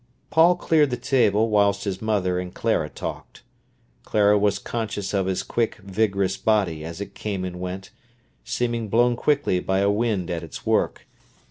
Paul cleared the table whilst his mother and Clara talked. Clara was conscious of his quick, vigorous body as it came and went, seeming blown quickly by a wind at its work.